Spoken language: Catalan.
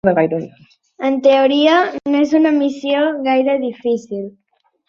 En teoria, no és una missió gaire difícil.